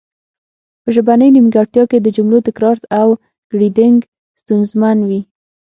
په ژبنۍ نیمګړتیا کې د جملو تکرار او ګړیدنګ ستونزمن وي